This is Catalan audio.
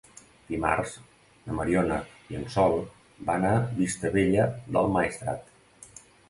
Dimarts na Mariona i en Sol van a Vistabella del Maestrat.